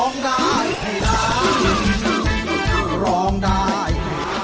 คือร้องได้ไอ้ตา